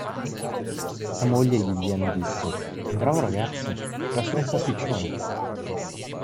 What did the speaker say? La moglie Lilian disse: "Un bravo ragazzo, era solo un pasticcione.